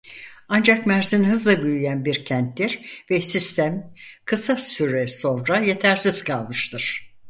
Ancak Mersin hızla büyüyen bir kenttir ve sistem kısa süre sonra yetersiz kalmıştır.